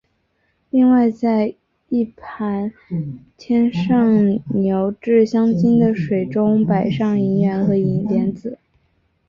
另外在一盘添上牛至香精的水中摆上银元和莲子。